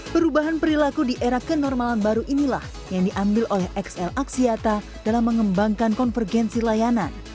perubahan perilaku di era kenormalan baru inilah yang diambil oleh xl aksiata dalam mengembangkan konfergensi layanan